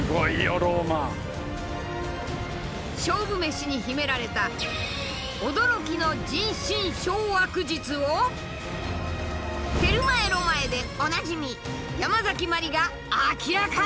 勝負メシに秘められた驚きの人心掌握術を「テルマエ・ロマエ」でおなじみヤマザキマリが明らかに！